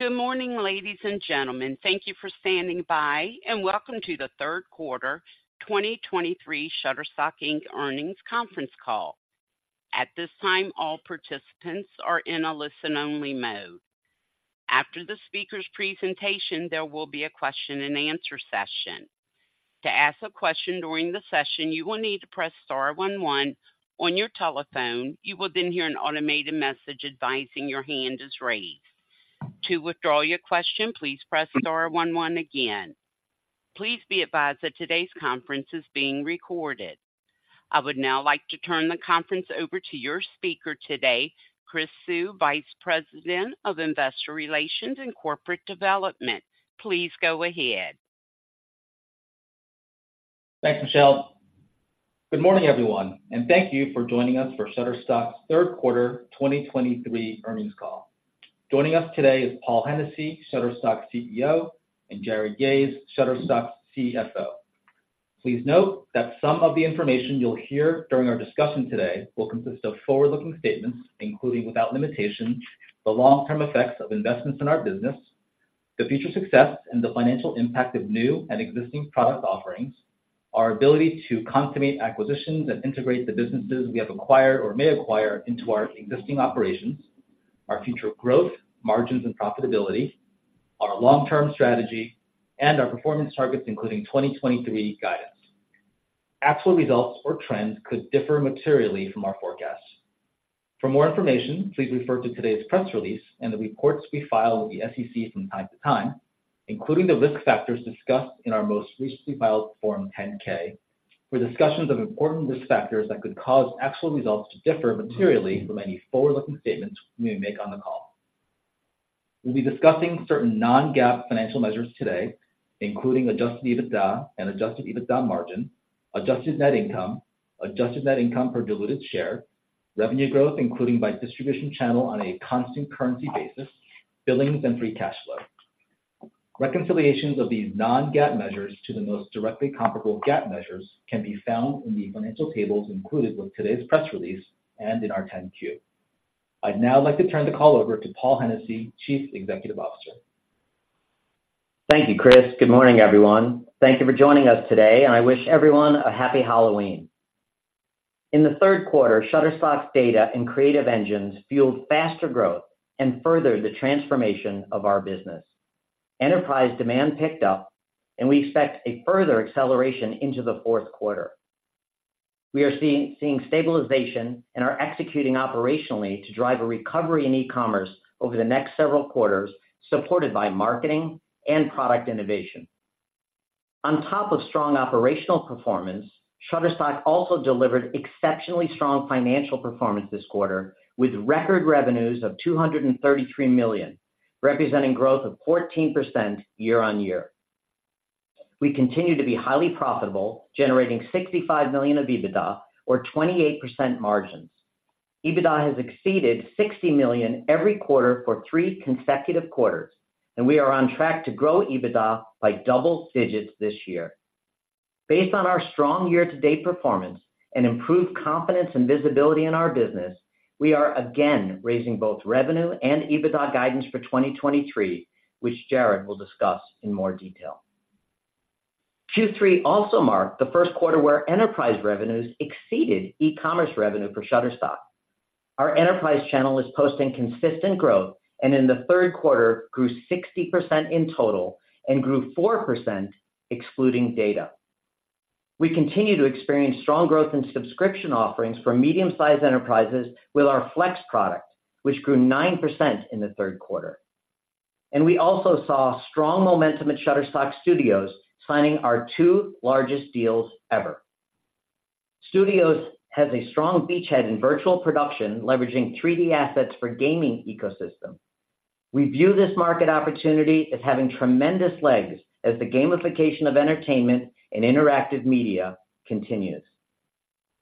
Good morning, ladies and gentlemen. Thank you for standing by, and welcome to the Q3 2023 Shutterstock Inc. earnings conference call. At this time, all participants are in a listen-only mode. After the speaker's presentation, there will be a Q&A session. To ask a question during the session, you will need to press star one one on your telephone. You will then hear an automated message advising your hand is raised. To withdraw your question, please press star one one again. Please be advised that today's conference is being recorded. I would now like to turn the conference over to your speaker today, Chris Suh, Vice President of Investor Relations and Corporate Development. Please go ahead. Thanks, Michelle. Good morning, everyone, and thank you for joining us for Shutterstock's Q3 2023 earnings call. Joining us today is Paul Hennessy, Shutterstock's Chief Executive Officer, and Jarrod Yahes, Shutterstock's Chief Financial Officer. Please note that some of the information you'll hear during our discussion today will consist of forward-looking statements, including, without limitation, the long-term effects of investments in our business, the future success and the financial impact of new and existing product offerings, our ability to consummate acquisitions and integrate the businesses we have acquired or may acquire into our existing operations, our future growth, margins, and profitability, our long-term strategy, and our performance targets, including 2023 guidance. Actual results or trends could differ materially from our forecasts. For more information, please refer to today's press release and the reports we file with the SEC from time to time, including the risk factors discussed in our most recently filed Form 10-K, for discussions of important risk factors that could cause actual results to differ materially from any forward-looking statements we may make on the call. We'll be discussing certain non-GAAP financial measures today, including Adjusted EBITDA and Adjusted EBITDA margin, Adjusted net income, Adjusted net income per diluted share, revenue growth, including by distribution channel on a Constant Currency basis, billings, and Free Cash Flow. Reconciliations of these non-GAAP measures to the most directly comparable GAAP measures can be found in the financial tables included with today's press release and in our 10-Q. I'd now like to turn the call over to Paul Hennessy, Chief Executive Officer. Thank you, Chris. Good morning, everyone. Thank you for joining us today, and I wish everyone a happy Halloween. In the Q3, Shutterstock's data and creative engines fueled faster growth and furthered the transformation of our business. Enterprise demand picked up, and we expect a further acceleration into the Q4. We are seeing stabilization and are executing operationally to drive a recovery in e-commerce over the next several quarters, supported by marketing and product innovation. On top of strong operational performance, Shutterstock also delivered exceptionally strong financial performance this quarter, with record revenues of $233 million, representing growth of 14% year-on-year. We continue to be highly profitable, generating $65 million of EBITDA or 28% margins. EBITDA has exceeded $60 million every quarter for three consecutive quarters, and we are on track to grow EBITDA by double digits this year. Based on our strong year-to-date performance and improved confidence and visibility in our business, we are again raising both revenue and EBITDA guidance for 2023, which Jarrod will discuss in more detail. Q3 also marked the Q1 where enterprise revenues exceeded e-commerce revenue for Shutterstock. Our enterprise channel is posting consistent growth and in the Q3, grew 60% in total and grew 4%, excluding data. We continue to experience strong growth in subscription offerings for medium-sized enterprises with our Flex product, which grew 9% in the Q3. And we also saw strong momentum at Shutterstock Studios, signing our two largest deals ever. Studios has a strong beachhead in virtual production, leveraging 3D assets for gaming ecosystem. We view this market opportunity as having tremendous legs as the gamification of entertainment and interactive media continues.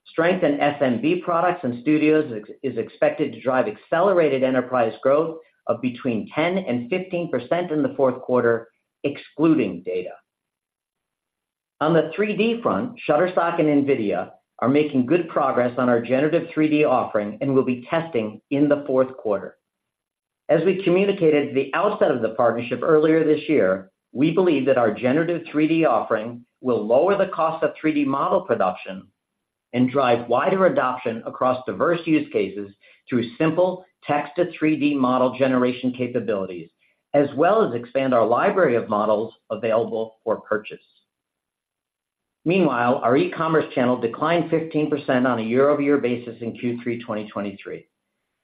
Strength in SMB products and studios is expected to drive accelerated enterprise growth of between 10% and 15% in the Q4, excluding data. On the 3D front, Shutterstock and NVIDIA are making good progress on our generative 3D offering and will be testing in the Q4. As we communicated at the outset of the partnership earlier this year, we believe that our generative 3D offering will lower the cost of 3D model production and drive wider adoption across diverse use cases through simple text-to-3D model generation capabilities, as well as expand our library of models available for purchase. Meanwhile, our e-commerce channel declined 15% on a year-over-year basis in Q3 2023.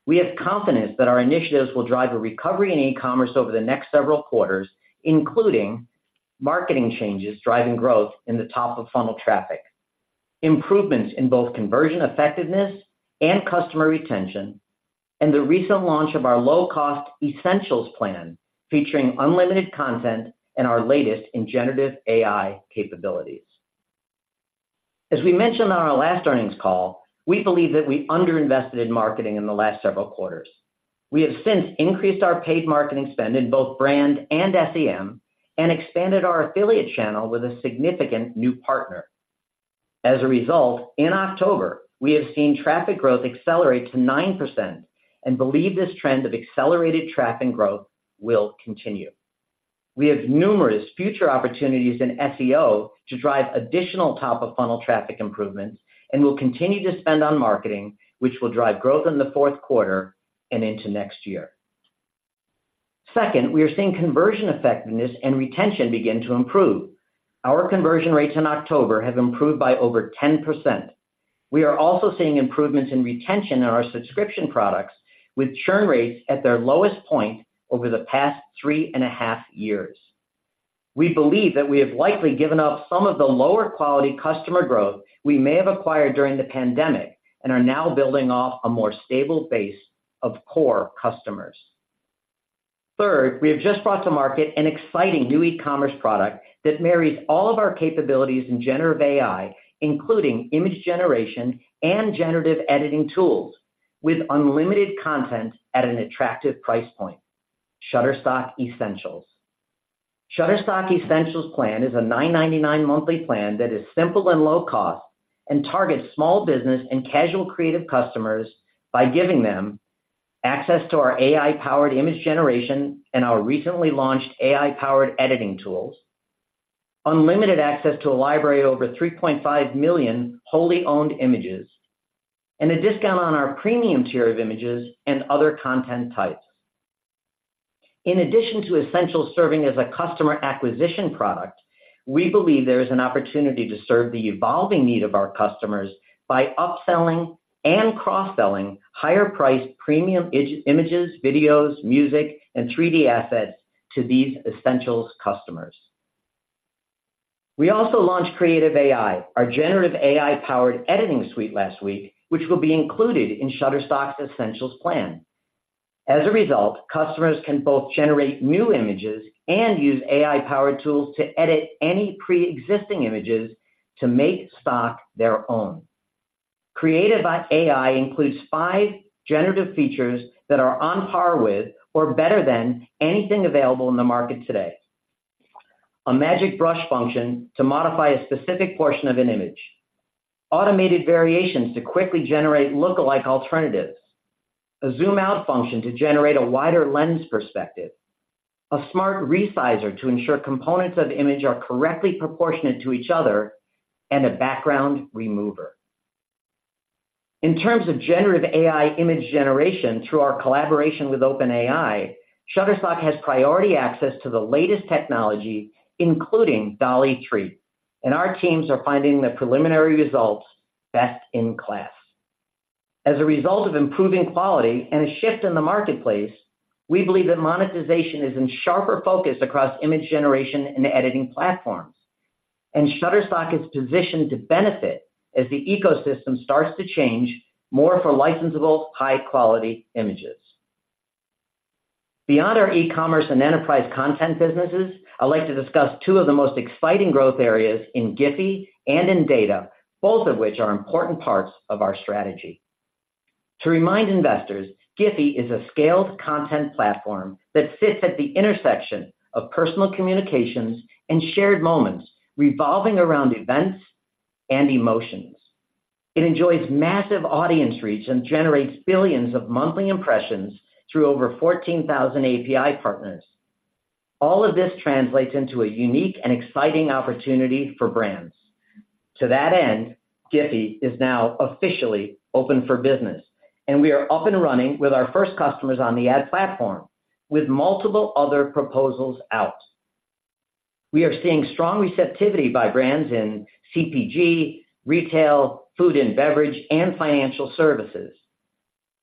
We have confidence that our initiatives will drive a recovery in e-commerce over the next several quarters, including marketing changes, driving growth in the top of funnel traffic, improvements in both conversion effectiveness and customer retention, and the recent launch of our low-cost Essentials plan, featuring unlimited content and our latest in generative AI capabilities. As we mentioned on our last earnings call, we believe that we underinvested in marketing in the last several quarters. We have since increased our paid marketing spend in both brand and SEM and expanded our affiliate channel with a significant new partner. As a result, in October, we have seen traffic growth accelerate to 9% and believe this trend of accelerated traffic growth will continue. We have numerous future opportunities in SEO to drive additional top-of-funnel traffic improvements, and we'll continue to spend on marketing, which will drive growth in the Q4 and into next year. Second, we are seeing conversion effectiveness and retention begin to improve. Our conversion rates in October have improved by over 10%. We are also seeing improvements in retention in our subscription products, with churn rates at their lowest point over the past three and a half years. We believe that we have likely given up some of the lower quality customer growth we may have acquired during the pandemic and are now building off a more stable base of core customers. Third, we have just brought to market an exciting new e-commerce product that marries all of our capabilities in generative AI, including image generation and generative editing tools, with unlimited content at an attractive price point, Shutterstock Essentials. Shutterstock Essentials plan is a $9.99 monthly plan that is simple and low cost and targets small business and casual creative customers by giving them access to our AI-powered image generation and our recently launched AI-powered editing tools, unlimited access to a library of over 3.5 million wholly owned images, and a discount on our premium tier of images and other content types. In addition to Essentials serving as a customer acquisition product, we believe there is an opportunity to serve the evolving need of our customers by upselling and cross-selling higher priced premium images, videos, music, and 3D assets to these Essentials customers. We also launched Creative AI, our generative AI-powered editing suite, last week, which will be included in Shutterstock Essentials plan. As a result, customers can both generate new images and use AI-powered tools to edit any preexisting images to make stock their own. Creative AI includes five generative features that are on par with or better than anything available in the market today. A magic brush function to modify a specific portion of an image, automated variations to quickly generate lookalike alternatives, a zoom out function to generate a wider lens perspective, a smart resizer to ensure components of the image are correctly proportionate to each other, and a background remover. In terms of generative AI image generation, through our collaboration with OpenAI, Shutterstock has priority access to the latest technology, including DALL-E 3, and our teams are finding the preliminary results best in class. As a result of improving quality and a shift in the marketplace, we believe that monetization is in sharper focus across image generation and editing platforms, and Shutterstock is positioned to benefit as the ecosystem starts to change more for licensable, high-quality images. Beyond our e-commerce and enterprise content businesses, I'd like to discuss two of the most exciting growth areas in GIPHY and in data, both of which are important parts of our strategy. To remind investors, GIPHY is a scaled content platform that sits at the intersection of personal communications and shared moments, revolving around events and emotions. It enjoys massive audience reach and generates billions of monthly impressions through over 14,000 API partners. All of this translates into a unique and exciting opportunity for brands. To that end, GIPHY is now officially open for business, and we are up and running with our first customers on the ad platform, with multiple other proposals out. We are seeing strong receptivity by brands in CPG, retail, food and beverage, and financial services.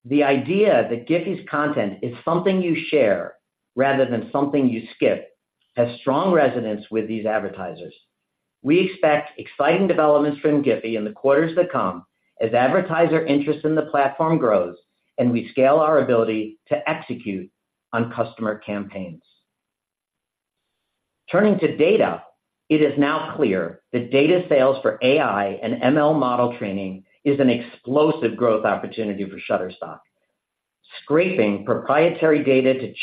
The idea that GIPHY's content is something you share rather than something you skip has strong resonance with these advertisers. We expect exciting developments from GIPHY in the quarters that come as advertiser interest in the platform grows and we scale our ability to execute on customer campaigns. Turning to data, it is now clear that data sales for AI and ML model training is an explosive growth opportunity for Shutterstock. Scraping proprietary data to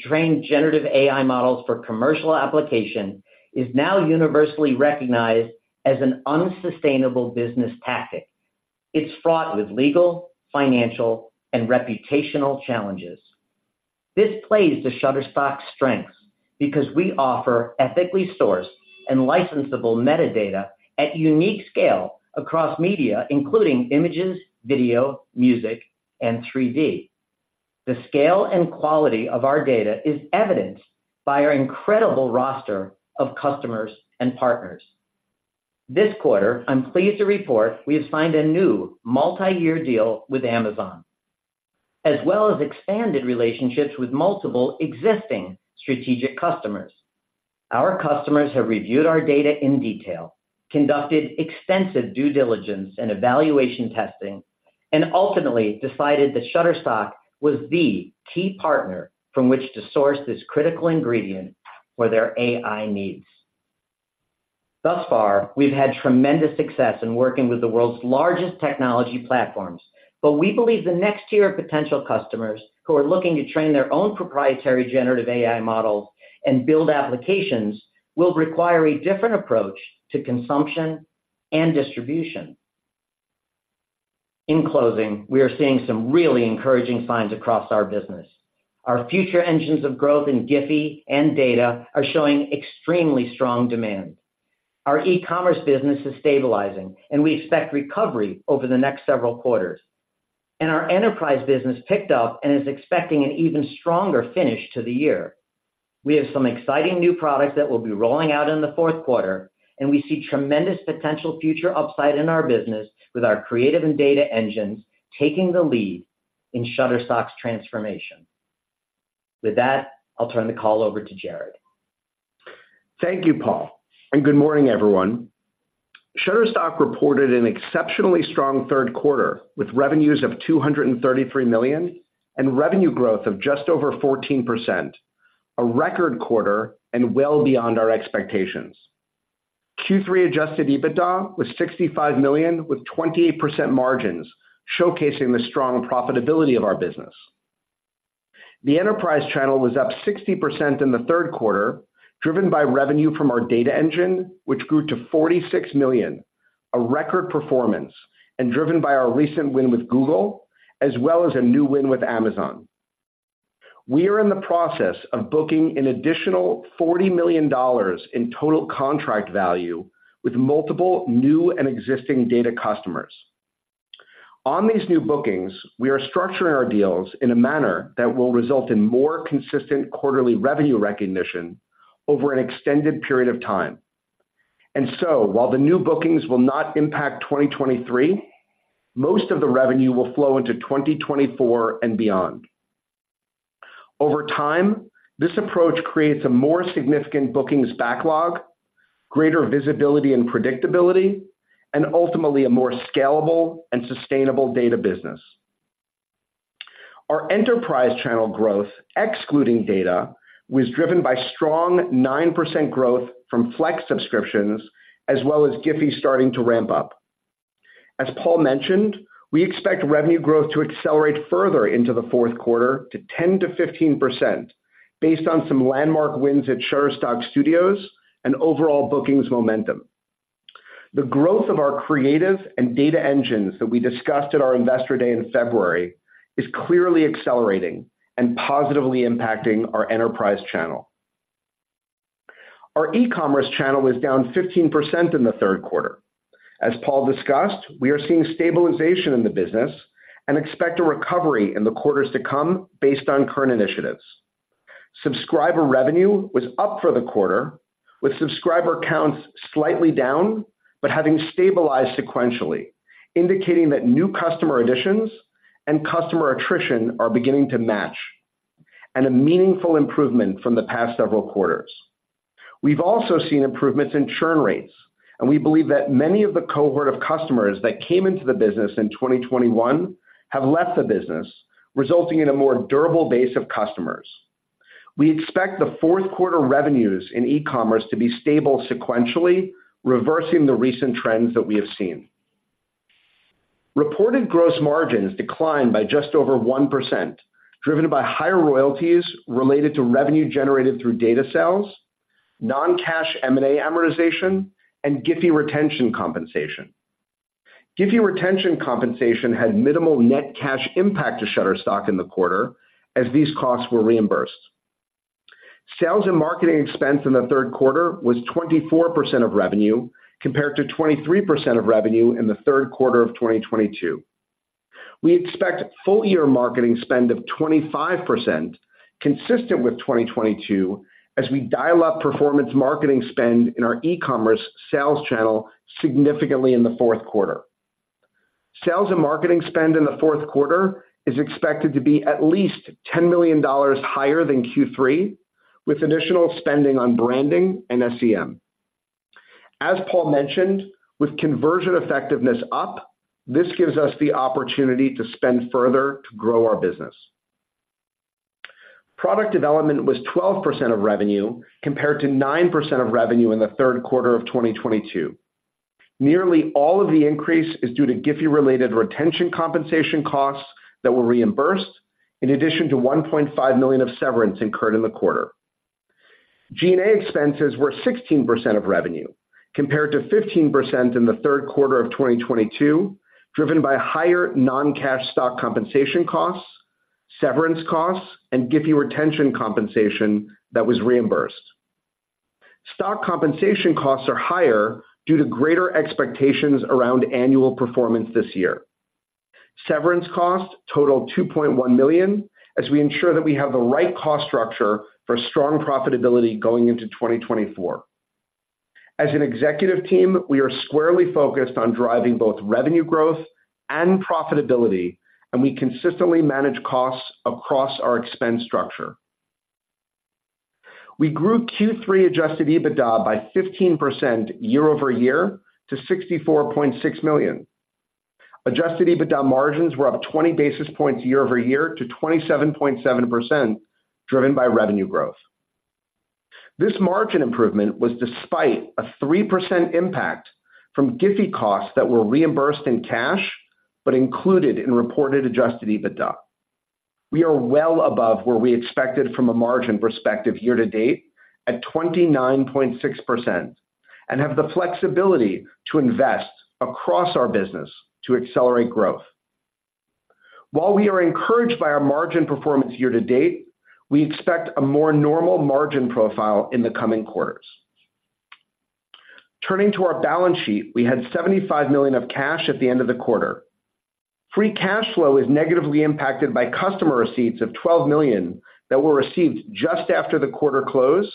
train generative AI models for commercial application is now universally recognized as an unsustainable business tactic. It's fraught with legal, financial, and reputational challenges. This plays to Shutterstock's strengths because we offer ethically sourced and licensable metadata at unique scale across media, including images, video, music, and 3D. The scale and quality of our data is evidenced by our incredible roster of customers and partners. This quarter, I'm pleased to report we have signed a new multiyear deal with Amazon, as well as expanded relationships with multiple existing strategic customers. Our customers have reviewed our data in detail, conducted extensive due diligence and evaluation testing, and ultimately decided that Shutterstock was the key partner from which to source this critical ingredient for their AI needs. Thus far, we've had tremendous success in working with the world's largest technology platforms. But we believe the next tier of potential customers who are looking to train their own proprietary generative AI models and build applications will require a different approach to consumption and distribution... In closing, we are seeing some really encouraging signs across our business. Our future engines of growth in GIPHY and data are showing extremely strong demand. Our e-commerce business is stabilizing, and we expect recovery over the next several quarters. Our enterprise business picked up and is expecting an even stronger finish to the year. We have some exciting new products that we'll be rolling out in the Q4, and we see tremendous potential future upside in our business with our creative and data engines taking the lead in Shutterstock's transformation. With that, I'll turn the call over to Jarrod. Thank you, Paul, and good morning, everyone. Shutterstock reported an exceptionally strong Q3, with revenues of $233 million and revenue growth of just over 14%, a record quarter and well beyond our expectations. Q3 Adjusted EBITDA was $65 million with 28% margins, showcasing the strong profitability of our business. The enterprise channel was up 60% in the Q3, driven by revenue from our data engine, which grew to $46 million, a record performance, and driven by our recent win with Google, as well as a new win with Amazon. We are in the process of booking an additional $40 million in total contract value with multiple new and existing data customers. On these new bookings, we are structuring our deals in a manner that will result in more consistent quarterly revenue recognition over an extended period of time. While the new bookings will not impact 2023, most of the revenue will flow into 2024 and beyond. Over time, this approach creates a more significant bookings backlog, greater visibility and predictability, and ultimately a more scalable and sustainable data business. Our enterprise channel growth, excluding data, was driven by strong 9% growth from Flex subscriptions, as well as GIPHY starting to ramp up. As Paul mentioned, we expect revenue growth to accelerate further into the Q4 to 10%-15%, based on some landmark wins at Shutterstock Studios and overall bookings momentum. The growth of our creative and data engines that we discussed at our Investor Day in February is clearly accelerating and positively impacting our enterprise channel. Our e-commerce channel was down 15% in the Q3. As Paul discussed, we are seeing stabilization in the business and expect a recovery in the quarters to come based on current initiatives. Subscriber revenue was up for the quarter, with subscriber counts slightly down, but having stabilized sequentially, indicating that new customer additions and customer attrition are beginning to match, and a meaningful improvement from the past several quarters. We've also seen improvements in churn rates, and we believe that many of the cohort of customers that came into the business in 2021 have left the business, resulting in a more durable base of customers. We expect the Q4 revenues in e-commerce to be stable sequentially, reversing the recent trends that we have seen. Reported gross margins declined by just over 1%, driven by higher royalties related to revenue generated through data sales, non-cash M&A amortization, and GIPHY retention compensation. GIPHY retention compensation had minimal net cash impact to Shutterstock in the quarter as these costs were reimbursed. Sales and marketing expense in the Q3 was 24% of revenue, compared to 23% of revenue in the Q3 of 2022. We expect full-year marketing spend of 25%, consistent with 2022, as we dial up performance marketing spend in our e-commerce sales channel significantly in the Q4. Sales and marketing spend in the Q4 is expected to be at least $10 million higher than Q3, with additional spending on branding and SEM. As Paul mentioned, with conversion effectiveness up, this gives us the opportunity to spend further to grow our business. Product development was 12% of revenue, compared to 9% of revenue in the Q3 of 2022. Nearly all of the increase is due to GIPHY-related retention compensation costs that were reimbursed, in addition to $1.5 million of severance incurred in the quarter. G&A expenses were 16% of revenue, compared to 15% in the Q3 of 2022, driven by higher non-cash stock compensation costs, severance costs, and GIPHY retention compensation that was reimbursed. Stock compensation costs are higher due to greater expectations around annual performance this year. Severance costs totaled $2.1 million, as we ensure that we have the right cost structure for strong profitability going into 2024. As an executive team, we are squarely focused on driving both revenue growth and profitability, and we consistently manage costs across our expense structure. We grew Q3 Adjusted EBITDA by 15% year-over-year to $64.6 million. Adjusted EBITDA margins were up 20 basis points year-over-year to 27.7%, driven by revenue growth. This margin improvement was despite a 3% impact from GIPHY costs that were reimbursed in cash, but included in reported adjusted EBITDA. We are well above where we expected from a margin perspective year to date, at 29.6%, and have the flexibility to invest across our business to accelerate growth. While we are encouraged by our margin performance year to date, we expect a more normal margin profile in the coming quarters. Turning to our balance sheet, we had $75 million of cash at the end of the quarter. Free cash flow is negatively impacted by customer receipts of $12 million that were received just after the quarter close,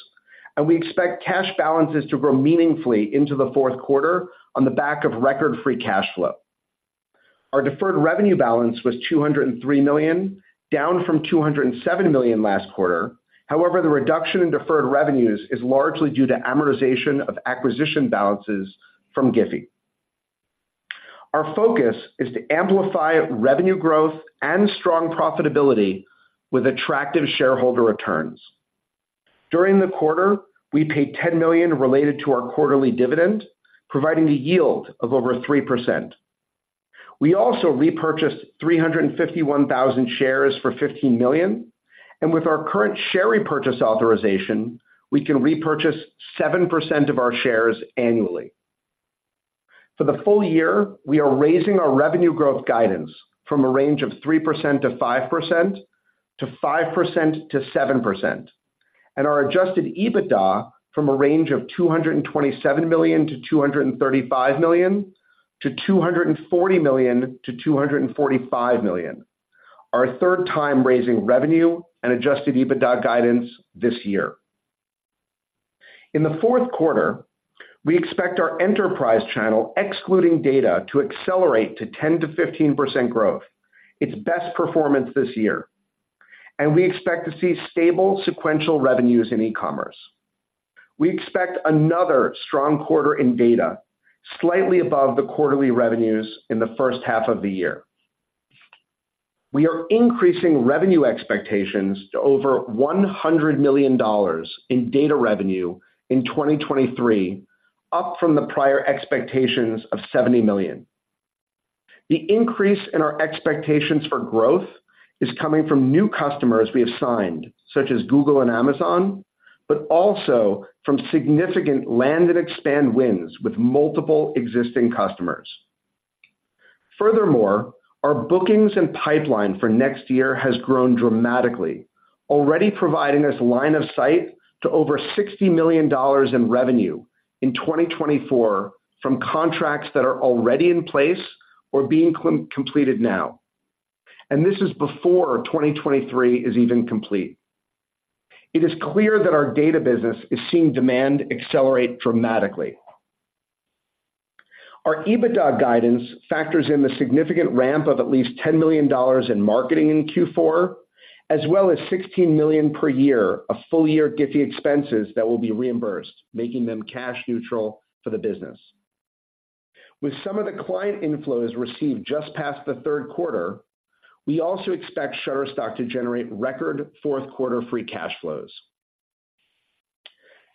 and we expect cash balances to grow meaningfully into the Q4 on the back of record free cash flow. Our deferred revenue balance was $203 million, down from $207 million last quarter. However, the reduction in deferred revenues is largely due to amortization of acquisition balances from GIPHY. Our focus is to amplify revenue growth and strong profitability with attractive shareholder returns. During the quarter, we paid $10 million related to our quarterly dividend, providing a yield of over 3%. We also repurchased 351,000 shares for $15 million, and with our current share repurchase authorization, we can repurchase 7% of our shares annually. For the full year, we are raising our revenue growth guidance from a range of 3%-5%, to 5%-7%, and our Adjusted EBITDA from a range of $227 million-$235 million, to $240 million-$245 million, our third time raising revenue and Adjusted EBITDA guidance this year. In the Q4, we expect our enterprise channel, excluding data, to accelerate to 10%-15% growth, its best performance this year, and we expect to see stable sequential revenues in e-commerce. We expect another strong quarter in data, slightly above the quarterly revenues in the first half of the year. We are increasing revenue expectations to over $100 million in data revenue in 2023, up from the prior expectations of $70 million. The increase in our expectations for growth is coming from new customers we have signed, such as Google and Amazon, but also from significant land and expand wins with multiple existing customers. Furthermore, our bookings and pipeline for next year has grown dramatically, already providing us line of sight to over $60 million in revenue in 2024 from contracts that are already in place or being completed now. And this is before 2023 is even complete. It is clear that our data business is seeing demand accelerate dramatically. Our EBITDA guidance factors in the significant ramp of at least $10 million in marketing in Q4, as well as $16 million per year of full-year GIPHY expenses that will be reimbursed, making them cash neutral for the business. With some of the client inflows received just past the Q3, we also expect Shutterstock to generate record Q4 free cash flows.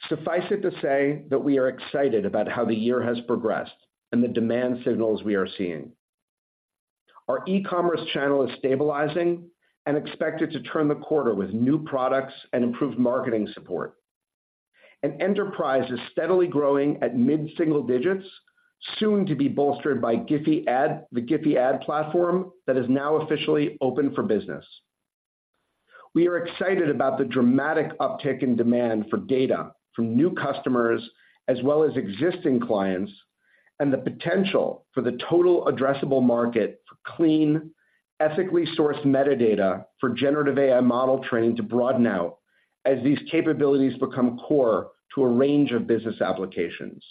Suffice it to say that we are excited about how the year has progressed and the demand signals we are seeing. Our e-commerce channel is stabilizing and expected to turn the quarter with new products and improved marketing support. Enterprise is steadily growing at mid-single digits, soon to be bolstered by GIPHY ad platform that is now officially open for business. We are excited about the dramatic uptick in demand for data from new customers as well as existing clients, and the potential for the total addressable market for clean, ethically sourced metadata for generative AI model training to broaden out as these capabilities become core to a range of business applications.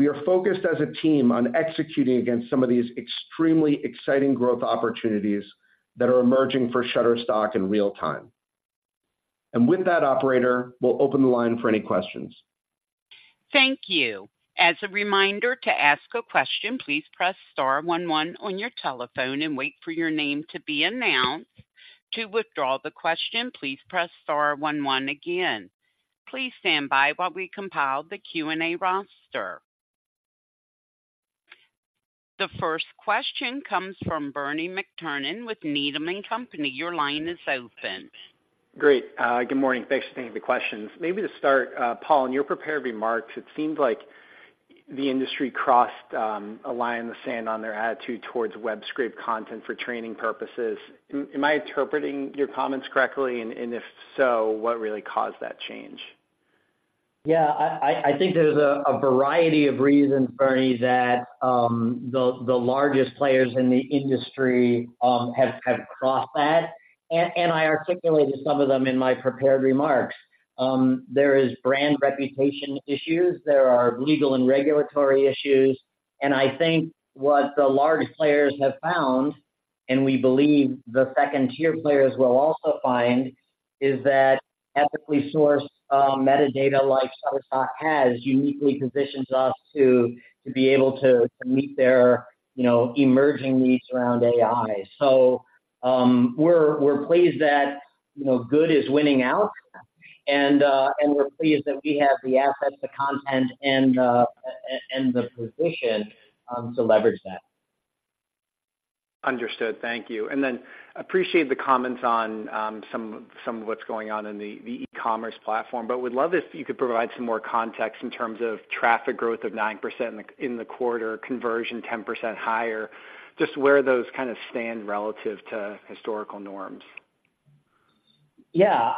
We are focused as a team on executing against some of these extremely exciting growth opportunities that are emerging for Shutterstock in real time. With that, operator, we'll open the line for any questions. Thank you. As a reminder to ask a question, please press star one one on your telephone and wait for your name to be announced. To withdraw the question, please press star one one again. Please stand by while we compile the Q&A roster. The first question comes from Bernie McTernan with Needham & Company. Your line is open. Great. Good morning. Thanks for taking the questions. Maybe to start, Paul, in your prepared remarks, it seems like the industry crossed a line in the sand on their attitude towards web scrape content for training purposes. Am I interpreting your comments correctly? And if so, what really caused that change? Yeah, I think there's a variety of reasons, Bernie, that the largest players in the industry have crossed that, and I articulated some of them in my prepared remarks. There is brand reputation issues, there are legal and regulatory issues, and I think what the large players have found, and we believe the second-tier players will also find, is that ethically sourced metadata, like Shutterstock has, uniquely positions us to be able to meet their, you know, emerging needs around AI. So, we're pleased that, you know, good is winning out. And we're pleased that we have the assets, the content, and the position to leverage that. Understood. Thank you. And then appreciate the comments on some of what's going on in the e-commerce platform, but would love if you could provide some more context in terms of traffic growth of 9% in the quarter, conversion 10% higher, just where those kind of stand relative to historical norms. Yeah.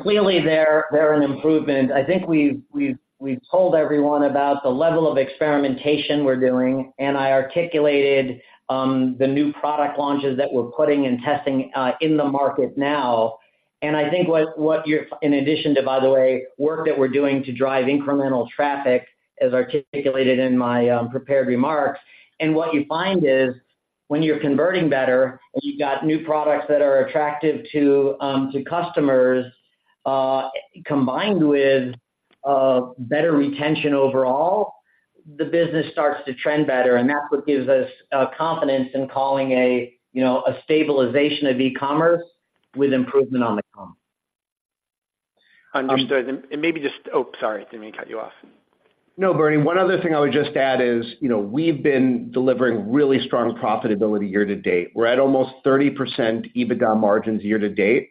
Clearly, they're an improvement. I think we've told everyone about the level of experimentation we're doing, and I articulated the new product launches that we're putting and testing in the market now. And I think what you're in addition to, by the way, work that we're doing to drive incremental traffic, as articulated in my prepared remarks. And what you find is, when you're converting better, and you've got new products that are attractive to customers, combined with better retention overall, the business starts to trend better, and that's what gives us confidence in calling, you know, a stabilization of e-commerce with improvement on the come. Understood. Um- And maybe just... Oh, sorry, didn't mean to cut you off. No, Bernie, one other thing I would just add is, you know, we've been delivering really strong profitability year to date. We're at almost 30% EBITDA margins year to date.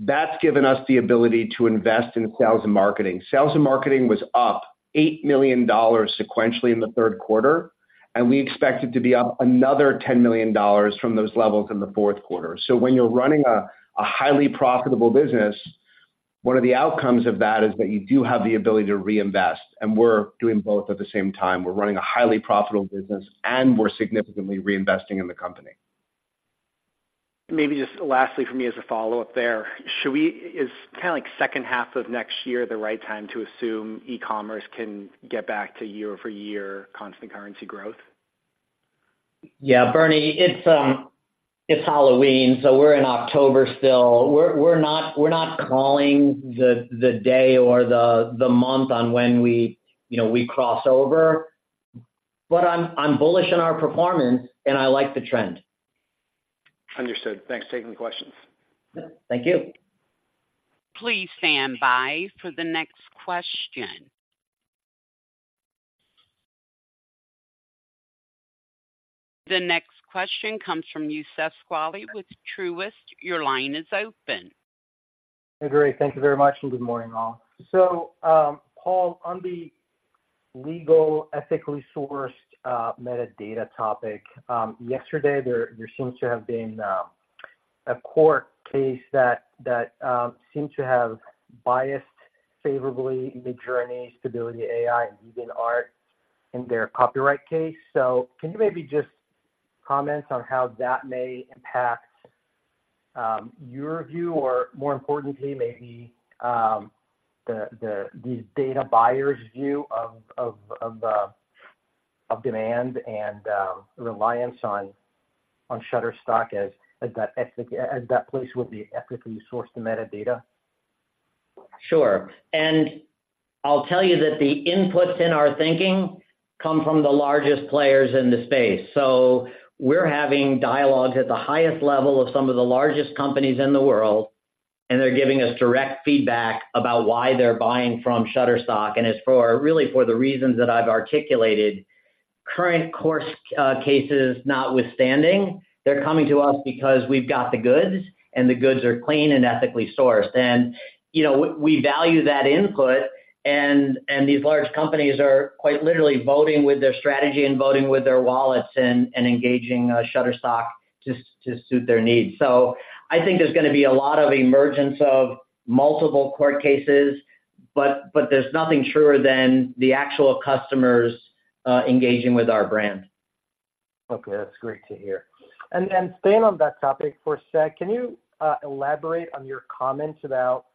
That's given us the ability to invest in sales and marketing. Sales and marketing was up $8 million sequentially in the Q3, and we expect it to be up another $10 million from those levels in the Q4. So when you're running a highly profitable business, one of the outcomes of that is that you do have the ability to reinvest, and we're doing both at the same time. We're running a highly profitable business, and we're significantly reinvesting in the company. Maybe just lastly for me as a follow-up there, is kind of, like, second half of next year the right time to assume e-commerce can get back to year-over-year constant currency growth? Yeah, Bernie, it's Halloween, so we're in October still. We're not calling the day or the month on when we, you know, we cross over, but I'm bullish on our performance, and I like the trend. Understood. Thanks for taking the questions. Thank you. Please stand by for the next question. The next question comes from Youssef Squali with Truist. Your line is open. Great. Thank you very much, and good morning, all. So, Paul, on the legal, ethically sourced, metadata topic, yesterday, there seems to have been a court case that seemed to have biased favorably Midjourney, Stability AI, and DevianArt in their copyright case. So can you maybe just comment on how that may impact your view, or more importantly, maybe the data buyer's view of demand and reliance on Shutterstock as that ethic -as that place with the ethically sourced metadata? Sure. And I'll tell you that the inputs in our thinking come from the largest players in the space. So we're having dialogues at the highest level of some of the largest companies in the world, and they're giving us direct feedback about why they're buying from Shutterstock. And it's for, really, for the reasons that I've articulated. Of course, cases notwithstanding, they're coming to us because we've got the goods, and the goods are clean and ethically sourced. And, you know, we value that input, and these large companies are quite literally voting with their strategy and voting with their wallets and engaging Shutterstock to suit their needs. So I think there's gonna be a lot of emergence of multiple court cases, but there's nothing surer than the actual customers engaging with our brand. Okay, that's great to hear. And staying on that topic for a sec, can you elaborate on your comments about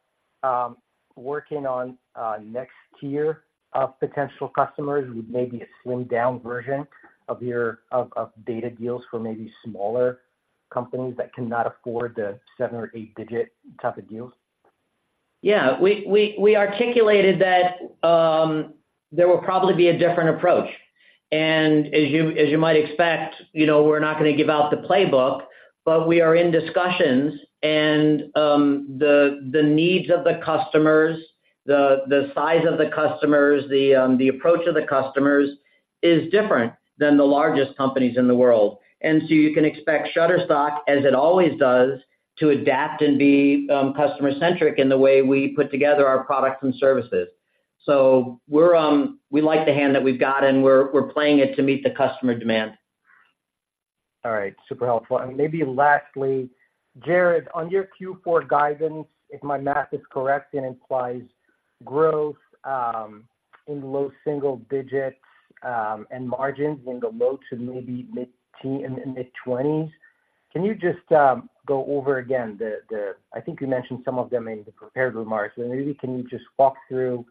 working on a next tier of potential customers with maybe a slimmed-down version of your data deals for maybe smaller companies that cannot afford the seven, or eight-digit type of deals? Yeah. We articulated that there will probably be a different approach. And as you might expect, you know, we're not gonna give out the playbook, but we are in discussions. And the needs of the customers, the size of the customers, the approach of the customers is different than the largest companies in the world. And so you can expect Shutterstock, as it always does, to adapt and be customer-centric in the way we put together our products and services. So we like the hand that we've got, and we're playing it to meet the customer demand. All right. Super helpful. And maybe lastly, Jarrod, on your Q4 guidance, if my math is correct, it implies growth in low single digits, and margins in the low to maybe mid- in the mid-twenties. Can you just go over again the... I think you mentioned some of them in the prepared remarks, but maybe can you just walk through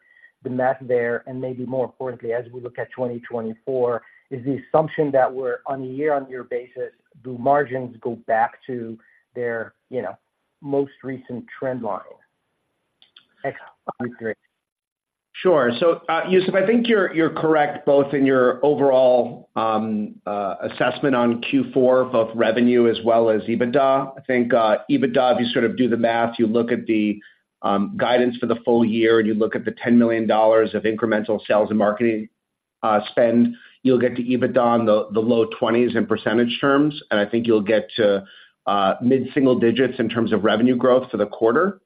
the math there? And maybe more importantly, as we look at 2024, is the assumption that we're on a year-on-year basis, do margins go back to their, you know, most recent trend line? That's great. Sure. So, Youssef, I think you're correct, both in your overall assessment on Q4, both revenue as well as EBITDA. I think, EBITDA, if you sort of do the math, you look at the guidance for the full year, and you look at the $10 million of incremental sales and marketing spend, you'll get to EBITDA on the low 20%, and I think you'll get to mid-single digits % in terms of revenue growth for the quarter.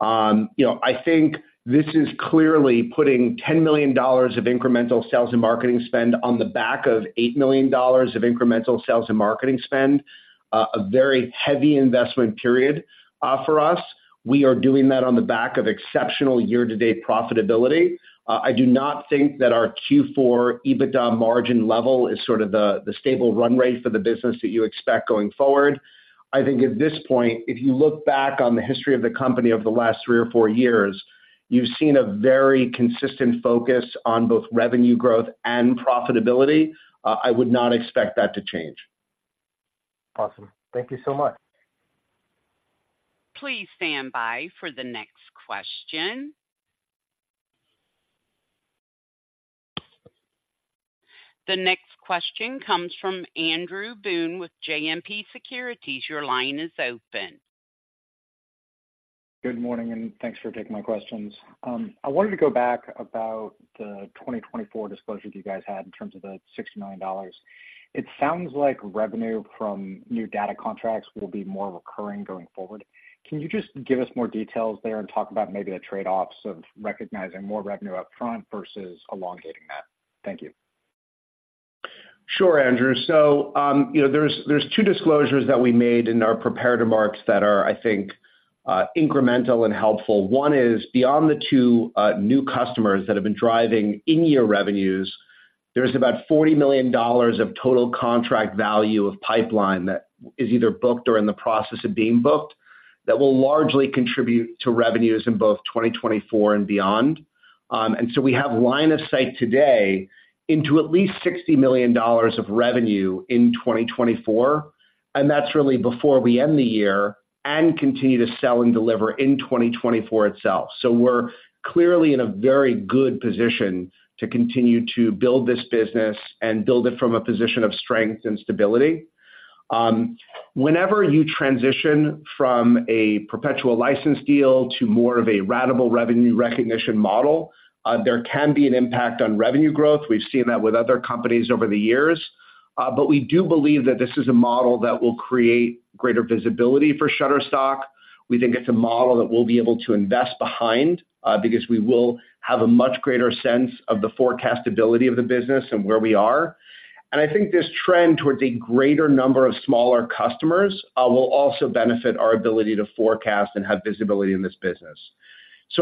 You know, I think this is clearly putting $10 million of incremental sales and marketing spend on the back of $8 million of incremental sales and marketing spend, a very heavy investment period for us. We are doing that on the back of exceptional year-to-date profitability. I do not think that our Q4 EBITDA margin level is sort of the stable run rate for the business that you expect going forward. I think at this point, if you look back on the history of the company over the last three or four years, you've seen a very consistent focus on both revenue growth and profitability. I would not expect that to change. Awesome. Thank you so much. Please stand by for the next question. The next question comes from Andrew Boone with JMP Securities. Your line is open. Good morning, and thanks for taking my questions. I wanted to go back about the 2024 disclosures you guys had in terms of the $60 million. It sounds like revenue from new data contracts will be more recurring going forward. Can you just give us more details there and talk about maybe the trade-offs of recognizing more revenue upfront versus elongating that? Thank you. Sure, Andrew. So, you know, there's two disclosures that we made in our prepared remarks that are, I think, incremental and helpful. One is, beyond the two new customers that have been driving in-year revenues, there's about $40 million of total contract value of pipeline that is either booked or in the process of being booked, that will largely contribute to revenues in both 2024 and beyond. And so we have line of sight today into at least $60 million of revenue in 2024, and that's really before we end the year and continue to sell and deliver in 2024 itself. So we're clearly in a very good position to continue to build this business and build it from a position of strength and stability. Whenever you transition from a perpetual license deal to more of a ratable revenue recognition model, there can be an impact on revenue growth. We've seen that with other companies over the years, but we do believe that this is a model that will create greater visibility for Shutterstock. We think it's a model that we'll be able to invest behind, because we will have a much greater sense of the forecastability of the business and where we are. And I think this trend towards a greater number of smaller customers, will also benefit our ability to forecast and have visibility in this business.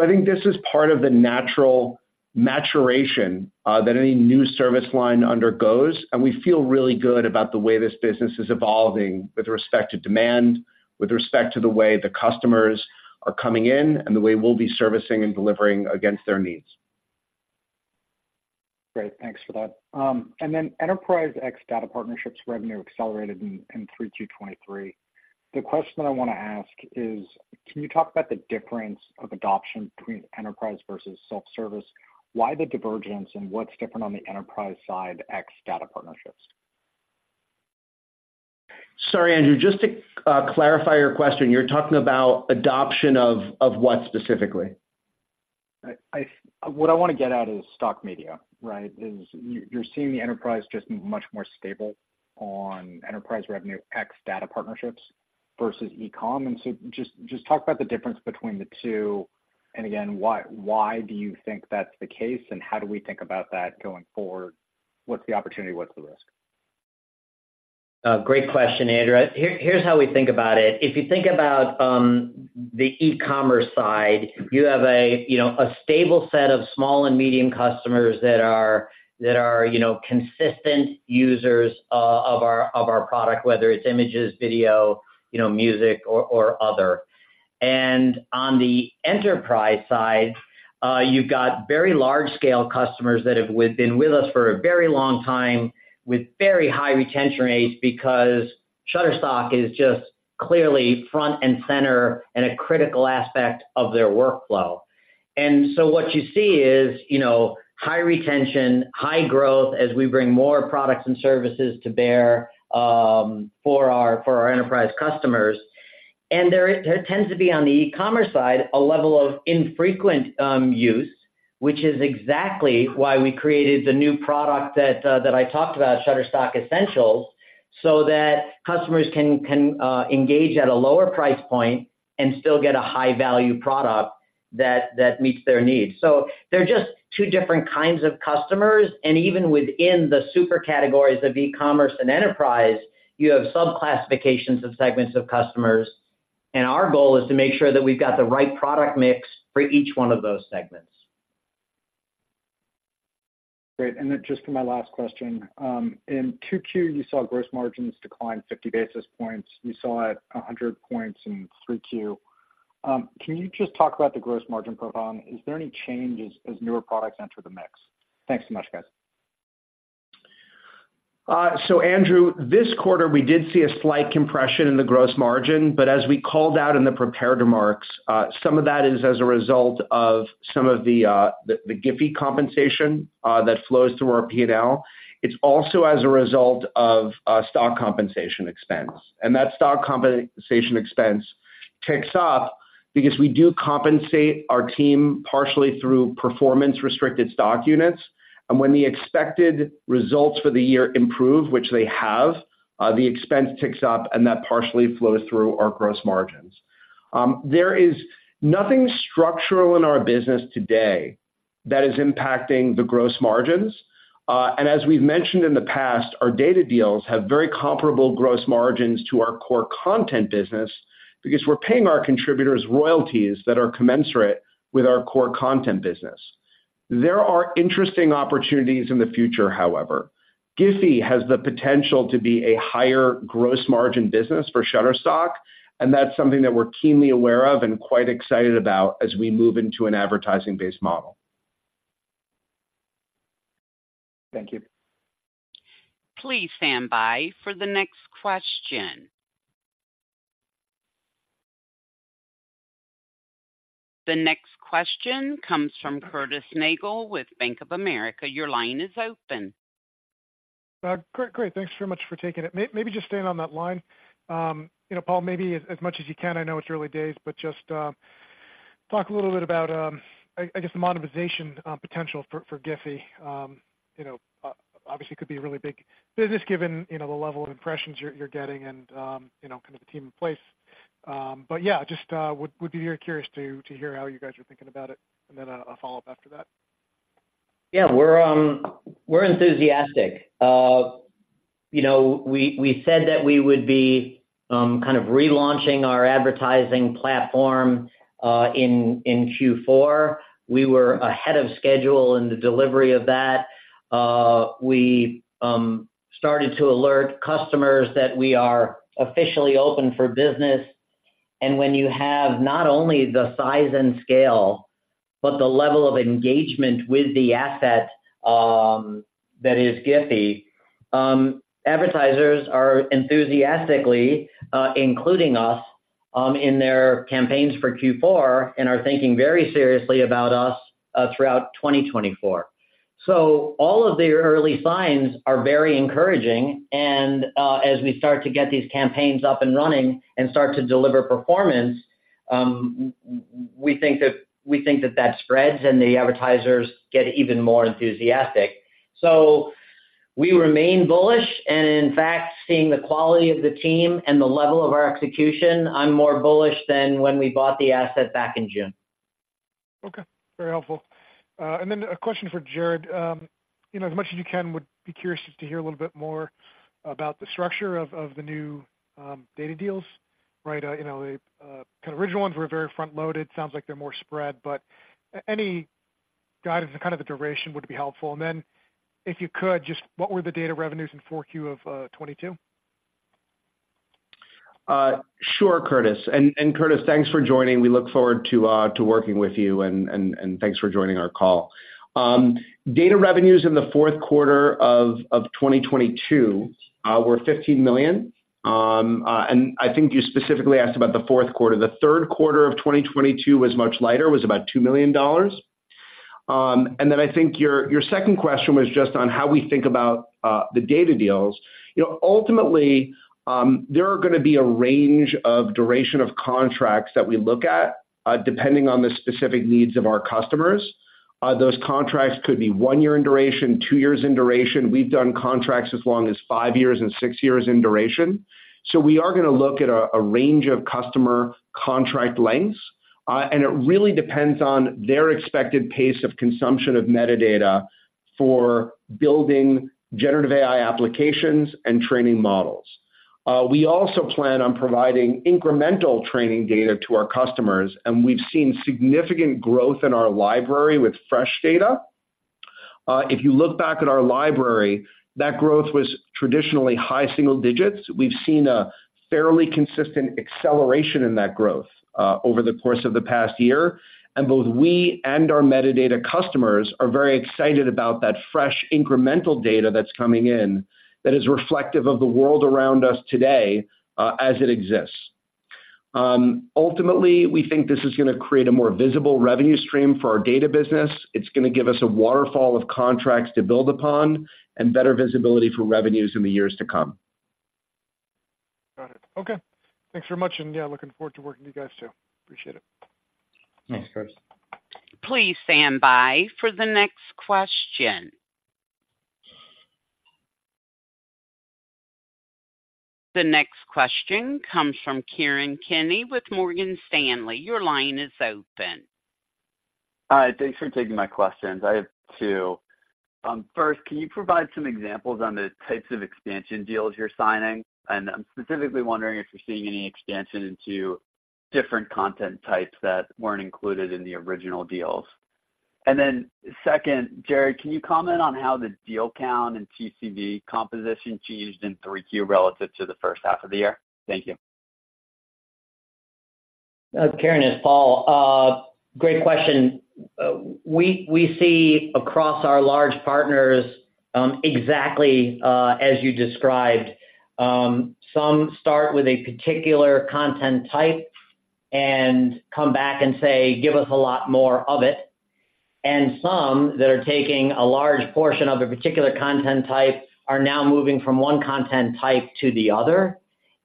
I think this is part of the natural maturation that any new service line undergoes, and we feel really good about the way this business is evolving with respect to demand, with respect to the way the customers are coming in, and the way we'll be servicing and delivering against their needs. Great. Thanks for that. And then Enterprise AI data partnerships revenue accelerated in Q3 2023. The question I wanna ask is: can you talk about the difference of adoption between enterprise versus self-service? Why the divergence, and what's different on the enterprise side AI data partnerships? Sorry, Andrew, just to clarify your question, you're talking about adoption of what specifically? What I wanna get at is stock media, right? You're seeing the enterprise just much more stable on enterprise revenue, AI data partnerships versus e-com. And so just talk about the difference between the two, and again, why do you think that's the case, and how do we think about that going forward? What's the opportunity? What's the risk? Great question, Andrew. Here's how we think about it. If you think about the e-commerce side, you have a, you know, a stable set of small and medium customers that are you know, consistent users of our product, whether it's images, video, you know, music, or other. And on the enterprise side, you've got very large-scale customers that have been with us for a very long time, with very high retention rates, because Shutterstock is just clearly front and center and a critical aspect of their workflow. And so what you see is, you know, high retention, high growth, as we bring more products and services to bear for our enterprise customers. There tends to be, on the e-commerce side, a level of infrequent use, which is exactly why we created the new product that I talked about, Shutterstock Essentials, so that customers can engage at a lower price point and still get a high-value product that meets their needs. They're just two different kinds of customers, and even within the super categories of e-commerce and enterprise, you have sub-classifications of segments of customers, and our goal is to make sure that we've got the right product mix for each one of those segments. Great. And then just for my last question, in 2Q, you saw gross margins decline 50 basis points. You saw it 100 points in 3Q. Can you just talk about the gross margin profile? Is there any change as newer products enter the mix? Thanks so much, guys. So Andrew, this quarter, we did see a slight compression in the gross margin, but as we called out in the prepared remarks, some of that is as a result of some of the, the GIPHY compensation that flows through our P&L. It's also as a result of stock compensation expense, and that stock compensation expense ticks up because we do compensate our team partially through performance restricted stock units. And when the expected results for the year improve, which they have, the expense ticks up, and that partially flows through our gross margins. There is nothing structural in our business today that is impacting the gross margins. As we've mentioned in the past, our data deals have very comparable gross margins to our core content business because we're paying our contributors royalties that are commensurate with our core content business. There are interesting opportunities in the future, however. GIPHY has the potential to be a higher gross margin business for Shutterstock, and that's something that we're keenly aware of and quite excited about as we move into an advertising-based model. Thank you. Please stand by for the next question. The next question comes from Curtis Nagle with Bank of America. Your line is open. Great, great. Thanks so much for taking it. Maybe just staying on that line, you know, Paul, maybe as much as you can, I know it's early days, but just talk a little bit about, I guess, the monetization potential for GIPHY. You know, obviously could be a really big business, given, you know, the level of impressions you're getting and, you know, kind of the team in place. But yeah, just would be very curious to hear how you guys are thinking about it, and then a follow-up after that. Yeah, we're enthusiastic. You know, we said that we would be kind of relaunching our advertising platform in Q4. We were ahead of schedule in the delivery of that. We started to alert customers that we are officially open for business, and when you have not only the size and scale, but the level of engagement with the asset that is GIPHY, advertisers are enthusiastically including us in their campaigns for Q4 and are thinking very seriously about us throughout 2024. So all of the early signs are very encouraging, and as we start to get these campaigns up and running and start to deliver performance, we think that that spreads, and the advertisers get even more enthusiastic. We remain bullish, and in fact, seeing the quality of the team and the level of our execution, I'm more bullish than when we bought the asset back in June. Okay, very helpful. And then a question for Jarrod. You know, as much as you can, would be curious just to hear a little bit more about the structure of the new data deals, right? You know, the kind of original ones were very front-loaded. Sounds like they're more spread, but any guidance on kind of the duration would be helpful. And then if you could, just what were the data revenues in Q4 of 2022? Sure, Curtis. And Curtis, thanks for joining. We look forward to working with you and thanks for joining our call. Data revenues in the Q4 of 2022 were $15 million. And I think you specifically asked about the Q4. The Q3 of 2022 was much lighter, about $2 million. And then I think your second question was just on how we think about the data deals. You know, ultimately, there are gonna be a range of duration of contracts that we look at, depending on the specific needs of our customers. Those contracts could be one year in duration, two years in duration. We've done contracts as long as five years and six years in duration. So we are gonna look at a range of customer contract lengths, and it really depends on their expected pace of consumption of metadata for building generative AI applications and training models. We also plan on providing incremental training data to our customers, and we've seen significant growth in our library with fresh data. If you look back at our library, that growth was traditionally high single digits. We've seen a fairly consistent acceleration in that growth, over the course of the past year, and both we and our metadata customers are very excited about that fresh, incremental data that's coming in that is reflective of the world around us today, as it exists. Ultimately, we think this is gonna create a more visible revenue stream for our data business. It's gonna give us a waterfall of contracts to build upon and better visibility for revenues in the years to come. Got it. Okay, thanks very much. And yeah, looking forward to working with you guys, too. Appreciate it. Thanks, Curtis. Please stand by for the next question. The next question comes from Kieran Kenny with Morgan Stanley. Your line is open. Hi, thanks for taking my questions. I have two. First, can you provide some examples on the types of expansion deals you're signing? And I'm specifically wondering if you're seeing any expansion into different content types that weren't included in the original deals. And then second, Jarrod, can you comment on how the deal count and TCV composition changed in 3Q relative to the first half of the year? Thank you. Kieran, it's Paul. Great question. We see across our large partners exactly as you described. Some start with a particular content type and come back and say, "Give us a lot more of it." And some that are taking a large portion of a particular content type are now moving from one content type to the other.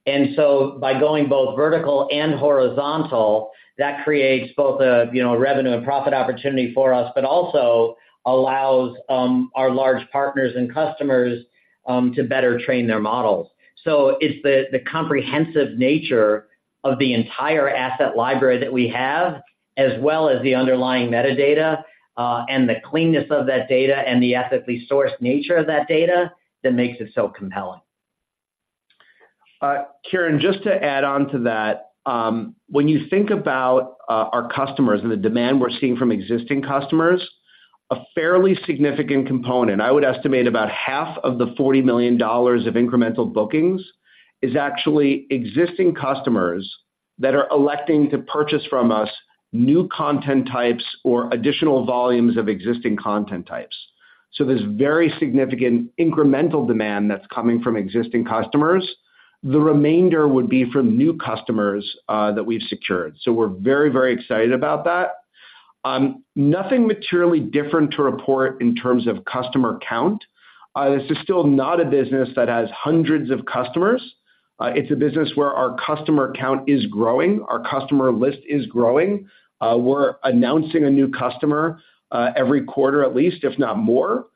And so by going both vertical and horizontal, that creates both a you know revenue and profit opportunity for us, but also allows our large partners and customers to better train their models. So it's the comprehensive nature of the entire asset library that we have, as well as the underlying metadata and the cleanness of that data and the ethically sourced nature of that data, that makes it so compelling. Kieran, just to add on to that, when you think about our customers and the demand we're seeing from existing customers, a fairly significant component, I would estimate about half of the $40 million of incremental bookings, is actually existing customers that are electing to purchase from us new content types or additional volumes of existing content types. So there's very significant incremental demand that's coming from existing customers. The remainder would be from new customers that we've secured. So we're very, very excited about that. Nothing materially different to report in terms of customer count. This is still not a business that has hundreds of customers. It's a business where our customer count is growing, our customer list is growing. We're announcing a new customer every quarter, at least, if not more.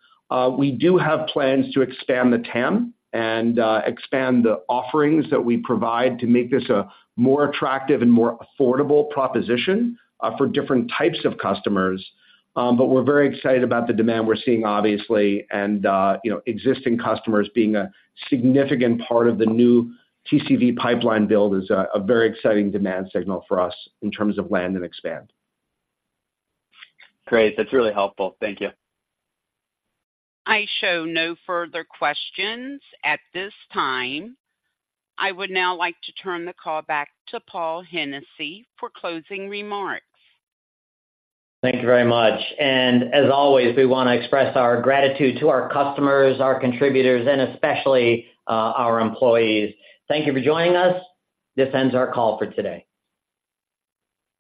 We do have plans to expand the TAM and expand the offerings that we provide to make this a more attractive and more affordable proposition for different types of customers. But we're very excited about the demand we're seeing, obviously, and you know, existing customers being a significant part of the new TCV pipeline build is a very exciting demand signal for us in terms of land and expand. Great. That's really helpful. Thank you. I show no further questions at this time. I would now like to turn the call back to Paul Hennessy for closing remarks. Thank you very much. And as always, we want to express our gratitude to our customers, our contributors, and especially, our employees. Thank you for joining us. This ends our call for today.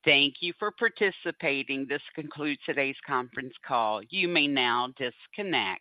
Thank you for participating. This concludes today's conference call. You may now disconnect.